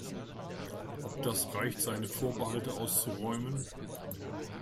Ob das reicht, seine Vorbehalte auszuräumen?